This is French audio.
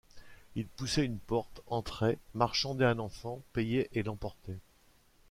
Ils poussaient une porte, entraient, marchandaient un enfant, payaient et l’emportaient.